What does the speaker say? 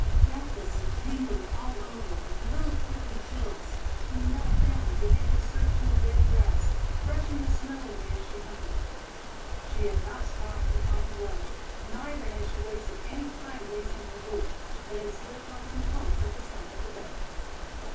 Breathless and tingling all over with little prickly chills, she knelt down and began to search in the dead grass, brushing the snow away as she hunted. She had not stopped to find gloves, neither had she wasted any time lacing her boots, but had slipped on some pumps at the side of the bed.